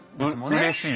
うれしい。